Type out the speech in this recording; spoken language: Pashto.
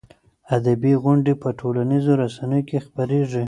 ادبي غونډې په ټولنیزو رسنیو کې خپرېږي.